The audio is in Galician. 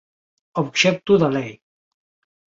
Obxecto da lei.